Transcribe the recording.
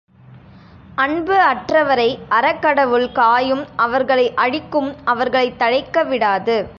அன்பு அற்றவரை அறக்கடவுள் காயும் அவர்களை அழிக்கும் அவர்களைத் தழைக்கவிடாது.